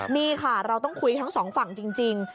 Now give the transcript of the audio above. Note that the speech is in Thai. นี่ค่ะเราต้องคุยทั้งสองฝั่งจริง